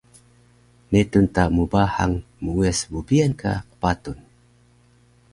netun ta mbahang muuyas bbiyan ka qpatun